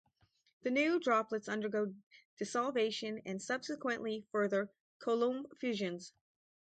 The new droplets undergo desolvation and subsequently further Coulomb fissions.